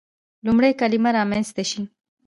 لومړی کلمه رامنځته شي.